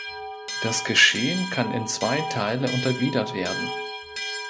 Das Geschehen kann in zwei Teile untergliedert werden.